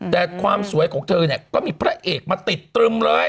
แต่ความสวยของเธอเนี่ยก็มีพระเอกมาติดตรึมเลย